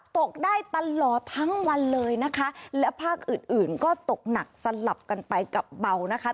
ตกได้ตลอดทั้งวันเลยนะคะและภาคอื่นอื่นก็ตกหนักสลับกันไปกับเบานะคะ